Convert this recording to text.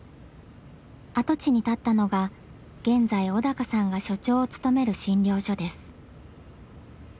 跡地に建ったのが現在小鷹さんが所長を務める診療所です。